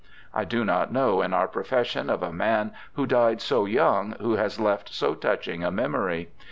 I do not know in our profession of a man who died so young who has left so touching a memory.